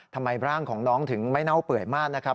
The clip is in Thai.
ทำไมร่างของน้องถึงไม่เน่าเปื่อยมากนะครับ